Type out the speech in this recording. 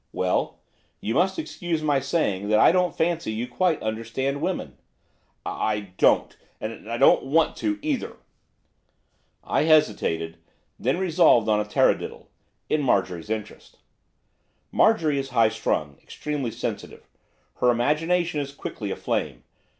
'Well, you must excuse my saying that I don't fancy you quite understand women.' 'I I don't, and I I I don't want to either.' I hesitated; then resolved on a taradiddle, in Marjorie's interest. 'Marjorie is high strung, extremely sensitive. Her imagination is quickly aflame.